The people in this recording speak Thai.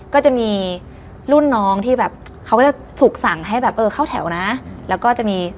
คุ้มครองดูแลเราอยู่ก็ได้